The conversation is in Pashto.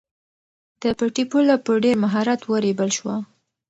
د پټي پوله په ډېر مهارت ورېبل شوه.